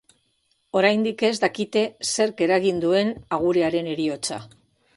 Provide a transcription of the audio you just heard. Oraindik ez dakite zerk eragin duen agurearen heriotza.